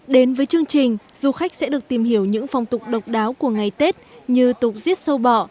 đến với chương trình du khách sẽ được tìm hiểu những phong tục độc đáo của ngày tết như tục giết sâu bọ